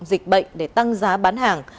dịch bệnh để tăng giá bán hàng